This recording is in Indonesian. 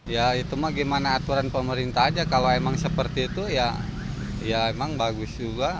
ya itu mah gimana aturan pemerintah aja kalau emang seperti itu ya emang bagus juga